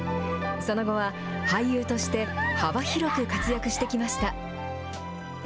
その後は俳優として幅広く活躍してきました。